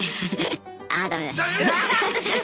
あダメだ。